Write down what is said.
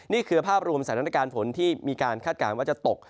นี่คือภาพรวมสถานการณ์ฝนที่มีการคาดการณ์ว่าจะตก